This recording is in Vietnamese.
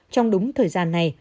trong đúng thời gian này